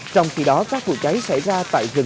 trong khi đó các vụ cháy xảy ra tại rừng